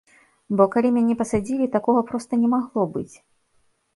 Бо калі мяне пасадзілі, такога проста не магло быць.